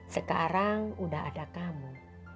sekarang udah ada kamu